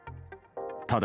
ただ、